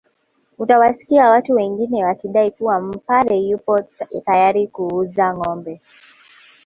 Utawasikia watu wengine wakidai kuwa Mpare yupo tayari kuuza ngombe